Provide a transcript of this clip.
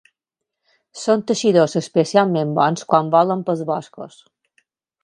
Són teixidors especialment bons quan volen pels boscos.